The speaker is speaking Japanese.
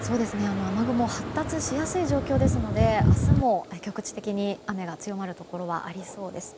雨雲は発達しやすい状況ですので明日も局地的に雨が強まるところがありそうです。